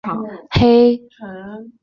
黑猩猩。